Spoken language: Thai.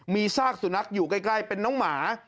มีซากสุนัขอยู่ใกล้เป็นน้องหมา